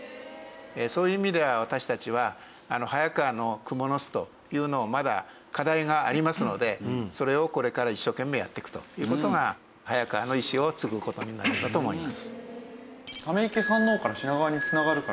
そういう意味では私たちは早川の「蜘蛛の巣」というのをまだ課題がありますのでそれをこれから一生懸命やっていくという事が早川の遺志を継ぐ事になるかと思います。